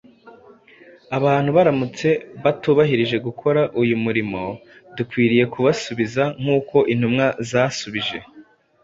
Abantu baramutse batubujije gukora uyu murimo, dukwiye kubasubiza nk’uko intumwa zasubije